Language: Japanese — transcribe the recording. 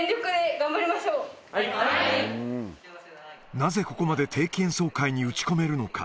なぜここまで定期演奏会に打ち込めるのか。